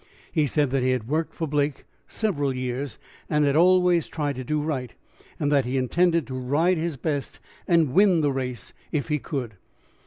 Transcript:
He said that he had worked for Blake several years and had always tried to do right, that he intended to ride his best, and win the race if he could.